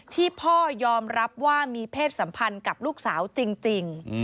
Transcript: ที่พ่อยอมรับว่ามีเพศสัมพันธ์กับลูกสาวจริง